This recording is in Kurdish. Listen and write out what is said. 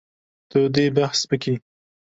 Tu dê behs bikî.